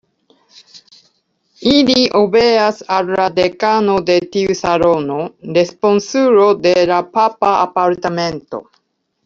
Ili obeas al la dekano de tiu salono, responsulo de la papa apartamento.